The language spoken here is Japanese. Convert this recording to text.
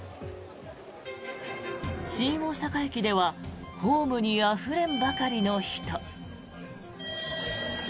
新大阪駅ではホームにあふれんばかりの人。